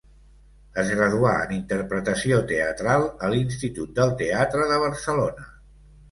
Es graduà en interpretació teatral a l'Institut del Teatre de Barcelona.